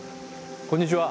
こんにちは。